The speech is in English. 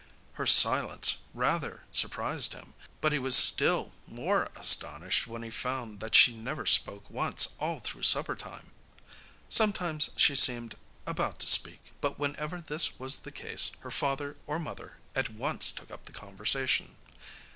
Her silence rather surprised him, but he was still more astonished when he found that she never spoke once all through supper time. Sometimes she seemed about to speak, but whenever this was the case her father or mother at once took up the conversation.